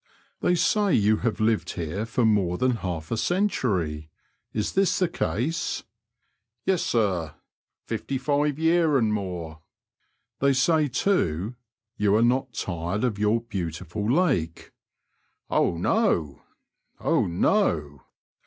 " They say you have lived here for more than half a century. Is this the case ?"Yes, sir, fifty five years and more." They say, too, you are not tired of your beautiful lake." *^0h, no! Oh, no!"